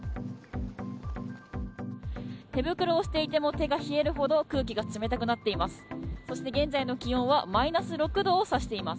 手袋をしていても手が冷えるほど、空気が冷たくなっています。